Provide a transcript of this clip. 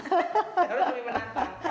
karena lebih menantang